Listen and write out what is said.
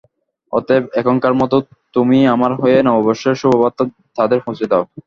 অতএব এখনকার মত তুমি আমার হয়ে নববর্ষের শুভবার্তা তাদের পৌঁছে দাও।